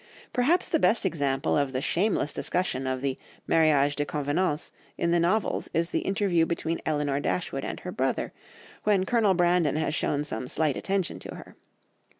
Perhaps the best example of the shameless discussion of the mariage de convenance in the novels is the interview between Elinor Dashwood and her brother, when Colonel Brandon has shown some slight attention to her.